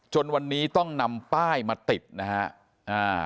จนวันนี้ต้องนำป้ายมาติดนะฮะอ่า